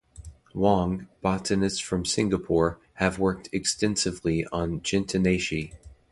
Wong (botanist from Singapore) have worked extensively on Gentianaceae.